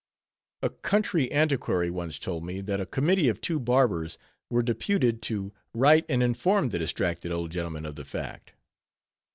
A country antiquary once told me, that a committee of two barbers were deputed to write and inform the distracted old gentleman of the fact.